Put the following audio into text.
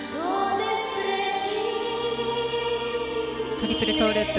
トリプルトウループ。